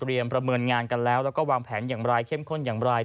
ประเมินงานกันแล้วแล้วก็วางแผนอย่างไรเข้มข้นอย่างไร